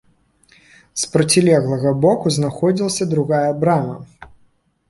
З процілеглага боку знаходзілася другая брама.